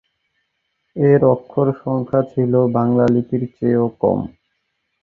এর অক্ষর সংখ্যা ছিল বাংলা লিপির চেয়েও কম।